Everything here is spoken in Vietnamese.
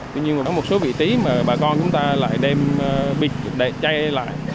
tuy nhiên có một số vị trí mà bà con chúng ta lại đem bịt chay lại